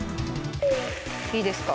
いいですか？